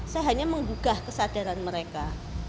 saya hanya menggugah kesadaran mereka